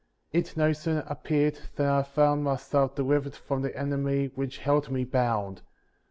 17. It no sooner appeared than I found myself delivered from the enemy which held me bound.